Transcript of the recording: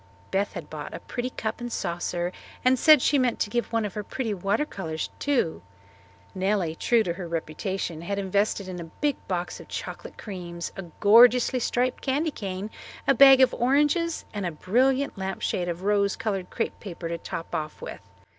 Beth had bought a pretty cup and saucer and said she meant to give one of her pretty water colours too. Nellie, true to her reputation, had invested in a big box of chocolate creams, a gorgeously striped candy cane, a bag of oranges, and a brilliant lampshade of rose coloured crepe paper to top off with.